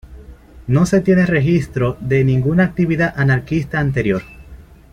No se tiene registro de ninguna actividad anarquista anterior.